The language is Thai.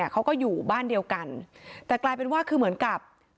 เขาก็อยู่บ้านเดียวกันแต่กลายเป็นว่าคือเหมือนกับ